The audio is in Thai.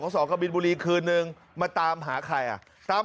บขก็บิลบุรีคืนรึงมาตามหาใครอ่ะ